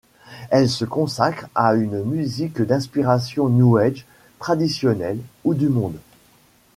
Elle se consacre à une musique d'inspiration New Age, traditionnelle ou du monde.